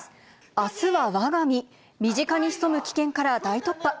あすはわが身、身近に潜む危険から大突破。